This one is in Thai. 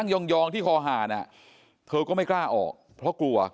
ยองที่คอหารเธอก็ไม่กล้าออกเพราะกลัว